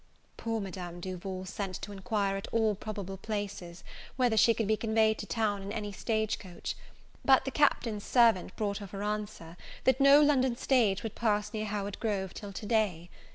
Poor Madame Duval sent to inquire at all probable places, whether she could be conveyed to town in any stage coach: but the Captain's servant brought her for answer, that no London stage would pass near Howard Grove till to day.